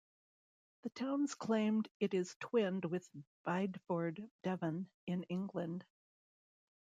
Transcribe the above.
The town claims it is twinned with Bideford, Devon in England.